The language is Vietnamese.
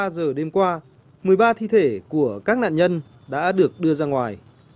ba giờ đêm qua một mươi ba thi thể của các nạn nhân đã được đưa ra ngoài